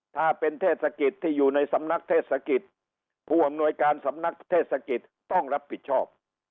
ถ้าเป็นเทศกิจที่อยู่ในสำนักเทศกิจผู้อำนวยการสำนักเทศกิจต้องรับผิดชอบ